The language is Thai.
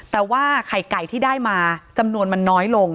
แต่ว่าไข่ไก่ที่ได้มาจำนวนมันน้อยลง